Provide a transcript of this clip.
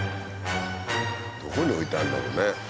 どこに置いてあるんだろうね？